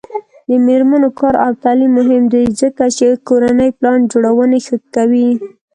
د میرمنو کار او تعلیم مهم دی ځکه چې کورنۍ پلان جوړونې ښه کوي.